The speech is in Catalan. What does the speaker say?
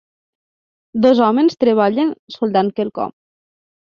Dos homes treballen soldant quelcom.